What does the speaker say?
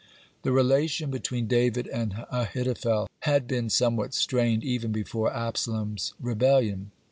(67) The relation between David and Ahithophel had been somewhat strained even before Absalom's rebellion.